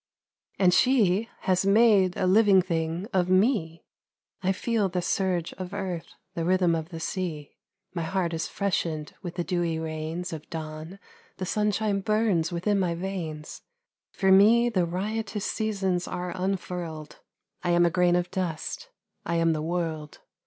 And she has made a living thing of me ; I feel the surge of earth, the rhythm of the sea, My heart is freshened with the dewy rains Of dawn, the sunshine burns within my veins ; For me the riotous seasons are unfurled, I am a grain of dust ; I am the world.